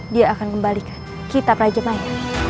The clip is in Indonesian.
dia akan kembalikan kitab rajamaya